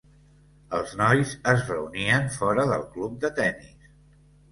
Els nois es reunien fora del club de tennis.